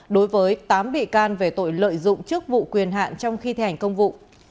đối với tám bị can về tội lợi dụng trước vụ quyền hạn trong khi thể hành công vụ